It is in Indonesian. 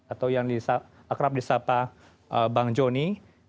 atau yang akrab di sapa bang joni